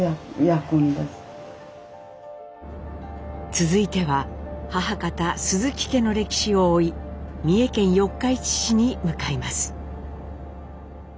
続いては母方鈴木家の歴史を追い三重県四日市市に向かいます。